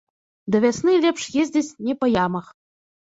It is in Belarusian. Да вясны лепш ездзіць не па ямах.